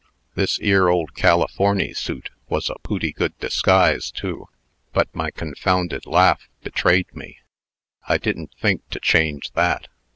This 'ere old Californy suit was a pooty good disguise, too. But my confounded laugh betrayed me. I didn't think to change that."